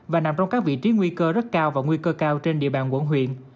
và nằm trong các vị trí nguy cơ rất cao và nguy cơ cao trên địa bàn quận huyện